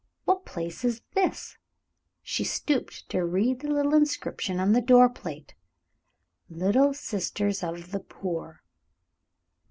What place is this?" She stooped to read the inscription on the door plate: "LITTLE SISTERS OF THE POOR."